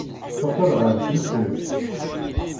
Teqqel ɣer tmesrit.